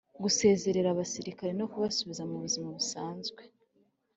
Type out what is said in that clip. gusezerera abasirikare no kubasubiza mu buzima busanzwe,